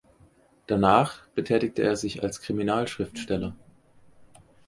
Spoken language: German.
Danach betätigte er sich als Kriminalschriftsteller.